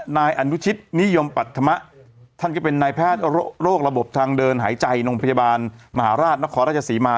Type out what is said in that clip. นายแพทย์โรคระบบทางเดินหายใจโรงพยาบาลมหาราชนครรัฐศรีมา